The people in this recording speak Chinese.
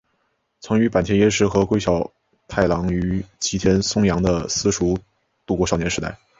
曾与坂田银时和桂小太郎于吉田松阳的私塾度过少年时代。